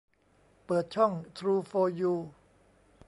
เปิดช่องทรูโฟร์ยู